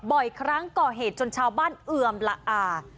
บ่อยครั้งก่อเหตุจนชาวบ้านเอือมละอา